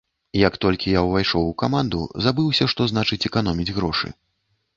Як толькі я ўвайшоў у каманду, забыўся, што значыць эканоміць грошы.